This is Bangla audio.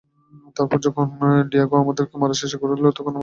তারপর যখন ডিয়েগো আমাদেরকে মারার চেষ্টা করল, আমরা জানতাম, আমরা পরিবারই হব।